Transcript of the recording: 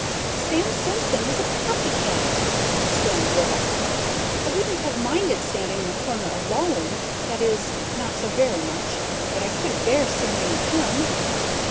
"Sam Simpson is a copycoat!" stormed Rebecca "I wouldn't have minded standing in the corner alone that is, not so very much; but I couldn't bear standing with him."